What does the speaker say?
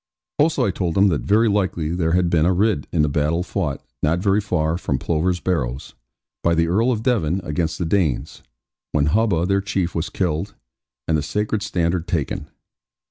Also I told them that very likely there had been a Ridd in the battle fought, not very far from Plover's Barrows, by the Earl of Devon against the Danes, when Hubba their chief was killed, and the sacred standard taken.